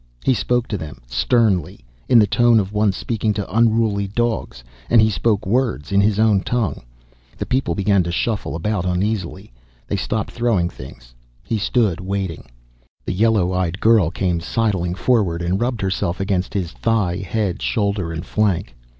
He spoke to them, sternly, in the tone of one speaking to unruly dogs, and he spoke words, in his own tongue. The people began to shuffle about uneasily. They stopped throwing things. He stood waiting. The yellow eyed girl came sidling forward and rubbed herself against his thigh, head, shoulder and flank.